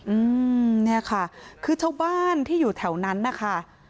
อืมเนี่ยค่ะคือชาวบ้านที่อยู่แถวนั้นนะคะ